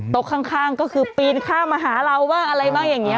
ข้างก็คือปีนข้ามมาหาเราบ้างอะไรบ้างอย่างนี้